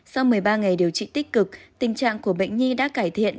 sau một mươi ba ngày điều trị tích cực tình trạng của bệnh nhi đã cải thiện